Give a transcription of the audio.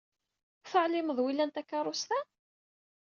Ur teɛlimeḍ wilan takeṛṛust-a?